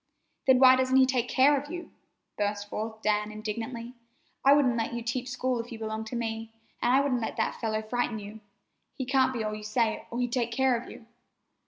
"Then, why doesn't he take care of you?" burst forth Dan indignantly. "I wouldn't let you teach school if you belonged to me, and I wouldn't let that fellow frighten you. He can't be all you say, or he'd take care of you."